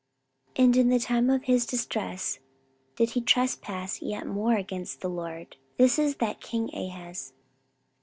14:028:022 And in the time of his distress did he trespass yet more against the LORD: this is that king Ahaz.